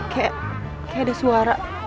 kayak ada suara